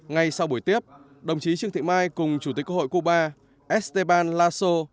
ngay sau buổi tiếp đồng chí trương thị mai cùng chủ tịch quốc hội cuba esteban laso